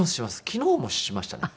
昨日もしましたね。